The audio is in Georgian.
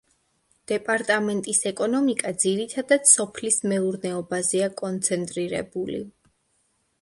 დეპარტამენტის ეკონომიკა ძირითადად სოფლის მეურნეობაზეა კონცენტრირებული.